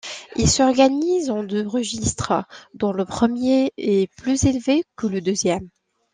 Ils s'organisent en deux registres, dont le premier est plus élevé que le deuxième.